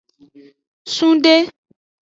Sungde.